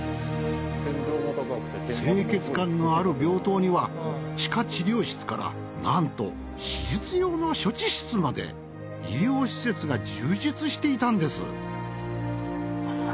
清潔感のある病棟には地下治療室からなんと手術用の処置室まで医療施設が充実していたんです。